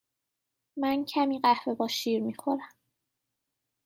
من کمی قهوه با شیر می خورم.